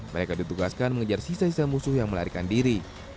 mereka ditugaskan mengejar sisa sisa musuh yang melarikan diri